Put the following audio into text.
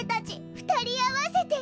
ふたりあわせて。